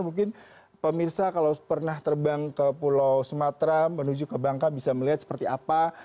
mungkin pemirsa kalau pernah terbang ke pulau sumatera menuju ke bangka bisa melihat seperti apa